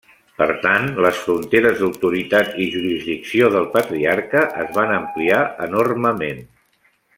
Per tant, les fronteres d'autoritat i jurisdicció del patriarca es van ampliar enormement.